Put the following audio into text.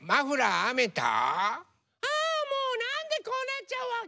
ああもうなんでこうなっちゃうわけ？